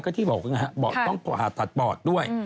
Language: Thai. ก็ที่บอกนะฮะต้องผ่าตัดปอดด้วย